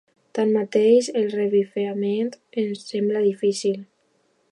Tanmateix, el revifament sembla difícil.